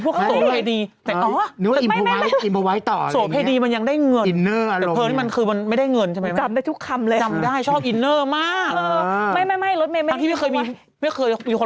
กลเขียนบนคนเขียนมาดี